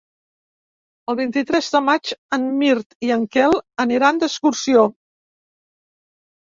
El vint-i-tres de maig en Mirt i en Quel aniran d'excursió.